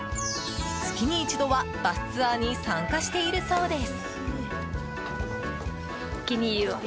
月に一度はバスツアーに参加しているそうです。